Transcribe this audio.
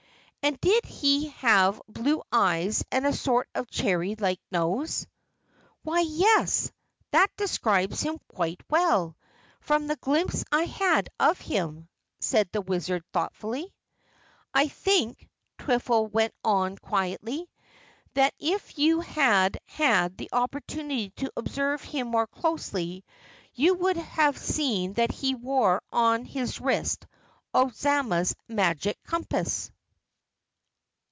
And did he have blue eyes and a sort of cherry like nose?" "Why, yes, that describes him quite well, from the glimpse I had of him," said the Wizard thoughtfully. "I think," Twiffle went on quietly, "that if you had had the opportunity to observe him more closely, you would have seen that he wore on his wrist Ozma's Magic Compass!"